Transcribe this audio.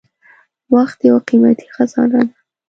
• وخت یو قیمتي خزانه ده.